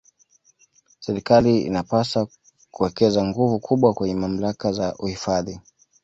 serikali inapaswa kuwekeza nguvu kubwa kwenye mamlaka za uhifadhi